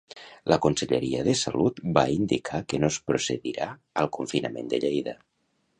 La Conselleria de Salut va indicar que no es procedirà al confinament de Lleida.